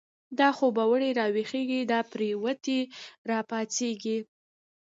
دا خوب وړی راويښږی، دا پريوتی را پا څيږی